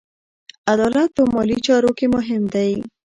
عدالت په مالي چارو کې مهم دی.